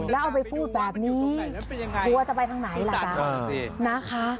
แล้วเอาไปพูดแบบนี้กลัวจะไปทางไหนล่ะจ๊ะนะคะ